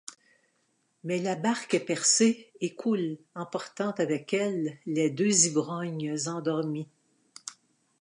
Mais la barque est percée et coule, emportant avec elle les deux ivrognes endormis.